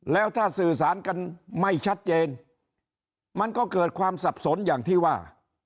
แล้วถ้าสื่อสารกันไม่ชัดเจนมันก็เกิดความสับสนอย่างที่ว่า